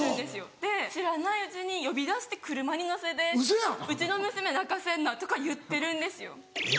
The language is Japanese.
で知らないうちに呼び出して車に乗せて「うちの娘泣かせんな」とか言ってるんですよ。